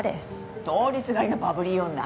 通りすがりのバブリー女。